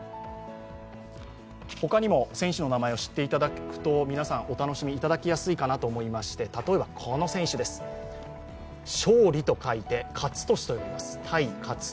他にも選手の名前を知っていただくと皆さんお楽しみやすいかなと思いまして勝利と書いて「かつとし」と読みます。